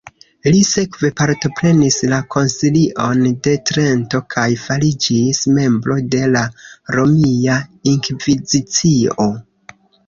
Li sekve partoprenis la koncilion de Trento kaj fariĝis membro de la Romia Inkvizicio.